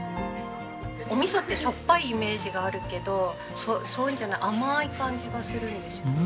お味噌ってしょっぱいイメージがあるけどそういうんじゃない甘い感じがするんですよね。